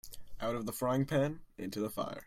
Out of the frying-pan into the fire.